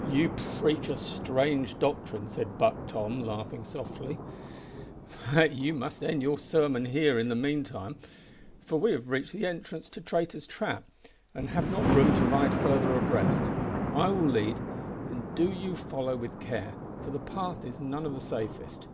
"You preach a strange doctrine," said Buck Tom, laughing softly, "but you must end your sermon here in the meantime, for we have reached the entrance to Traitor's Trap, and have not room to ride further abreast. I will lead, and do you follow with care, for the path is none o' the safest.